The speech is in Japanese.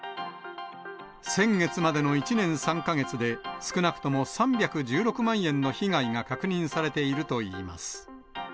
先月までの１年３か月で、少なくとも３１６万円の被害が確認されているといいます。